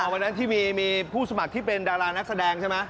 วันนั้นที่มีผู้สมัครที่เป็นดารานักแสดงใช่ไหม